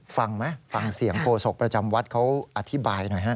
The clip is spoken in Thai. ฟังไหมฟังเสียงโฆษกประจำวัดเขาอธิบายหน่อยฮะ